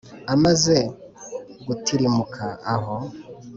Amaze gutirimuka aho,